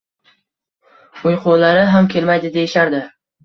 Uyqulari ham kelmaydi, deyishardi.»